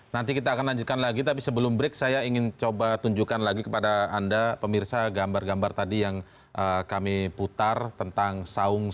nanti kita akan lanjutkan lagi tapi sebelum break saya ingin coba tunjukkan lagi kepada anda pemirsa gambar gambar tadi yang kami putar tentang saung